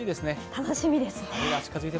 楽しみですね。